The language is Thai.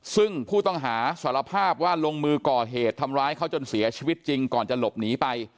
ซึ่งผู้ต้องหาสารภาพว่าลงมือก่อเหตุทำร้ายเขาจนเสียชีวิตจริงก่อนจะหลบหนีไป